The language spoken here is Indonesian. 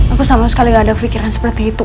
aku sama sekali gak ada pikiran seperti itu